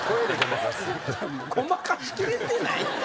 ごまかしきれてないって。